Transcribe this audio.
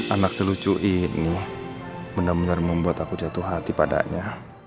anak selucu ini benar benar membuat aku jatuh hati padanya